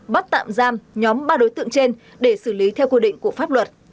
bắt tạm giam nhóm ba đối tượng trên để xử lý theo quy định của pháp luật